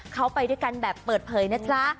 เขาไปด้วยกันแบบเปิดเผยนะจ๊ะ